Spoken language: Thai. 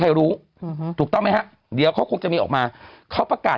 ให้รู้ถูกต้องไหมฮะเดี๋ยวเขาคงจะมีออกมาเขาประกาศ